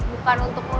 bukan untuk melupakan